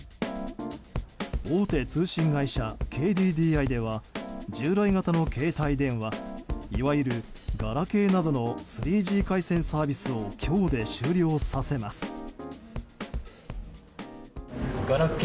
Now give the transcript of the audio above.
大手通信会社ＫＤＤＩでは従来型の携帯電話いわゆるガラケーなどの３Ｇ回線サービスを今日で終了させます。